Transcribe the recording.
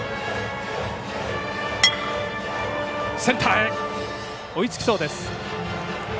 センターへ追いつきそうです。